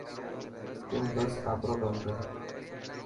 تون بس آپرو ڪم ڪر.